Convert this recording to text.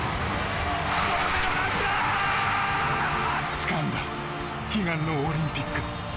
つかんだ悲願のオリンピック。